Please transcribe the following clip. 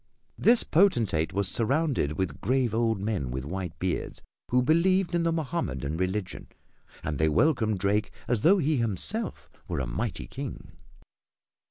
This potentate was surrounded with grave old men with white beards, who believed in the Mohammedan religion, and they welcomed Drake as though he himself were a mighty king.